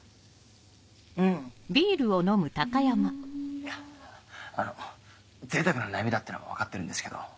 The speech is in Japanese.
いやあの贅沢な悩みだってのは分かってるんですけど。